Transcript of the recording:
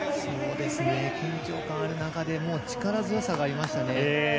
緊張感ある中で力強さがありましたね。